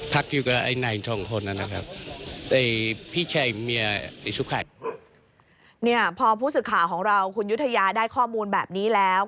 พอผู้สึกข่าของเราคุณยุทัยะได้ข้อมูลแบบนี้แล้ว